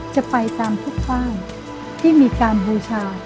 จะไปตามทุกบ้านที่มีการบูชา